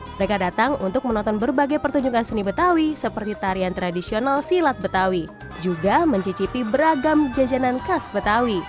mereka datang untuk menonton berbagai pertunjukan seni betawi seperti tarian tradisional silat betawi juga mencicipi beragam jajanan khas betawi